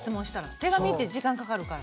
手紙って時間かかるから。